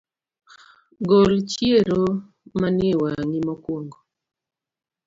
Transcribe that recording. Gol chiero mani ewang’I mokuongo